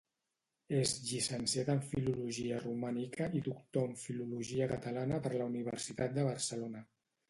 És llicenciat en Filologia romànica i doctor en Filologia catalana per la Universitat de Barcelona.